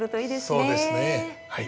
そうですねはい。